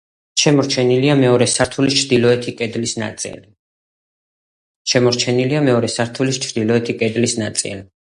შემორჩენილია მეორე სართულის ჩრდილოეთი კედლის ნაწილი.